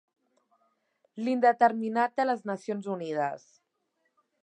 L'indeterminat de les Nacions Unides.